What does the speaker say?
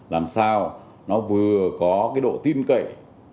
làm sao nó vừa có cái độ tin cậy